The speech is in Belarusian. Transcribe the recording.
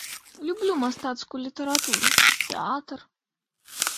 Люблю мастацкую літаратуру, тэатр.